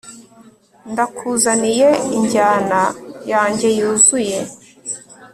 ndakuzaniye injyana yanjye yuzuye